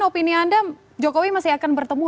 opini anda jokowi masih akan bertemu